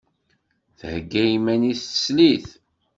Thegga iman-is teslit?